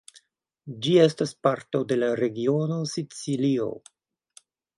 Ĝi estas parto de la regiono Sicilio.